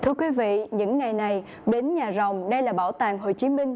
thưa quý vị những ngày này bến nhà rồng đây là bảo tàng hồ chí minh